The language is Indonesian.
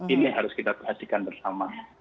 ini harus kita perhatikan bersama